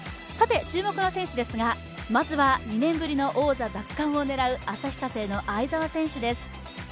注目の選手ですが、まずは２年ぶりの王座奪還を狙う旭化成の相澤選手です。